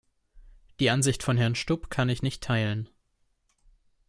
Die Ansicht von Herrn Stubb kann ich nicht teilen.